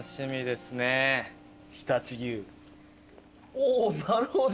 おなるほど。